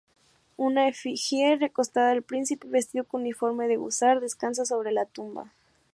Una efigie recostada del príncipe, vestido con uniforme de húsar, descansa sobre la tumba.